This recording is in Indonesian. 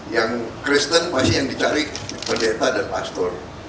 yang kristen pasti yang dicari pendeta dan pastor